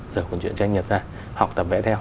giở của chuyện tranh nhật ra học tập vẽ theo